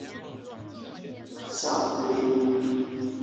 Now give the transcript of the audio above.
治所在牂牁县。